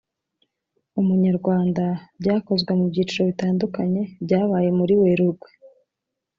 Umunyarwanda byakozwe mu byiciro bitandukanye byabaye muri Werurwe